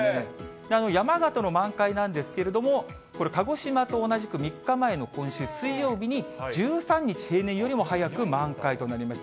山形の満開なんですけれども、これ、鹿児島と同じく３日前の今週水曜日に、１３日平年よりも早く満開となりました。